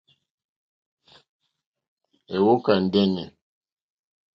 Èwókà ndɛ́nɛ̀.